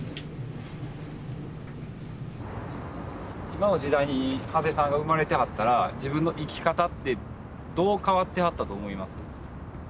今の時代に長谷さんが生まれてはったら自分の生き方ってどう変わってはったと思います？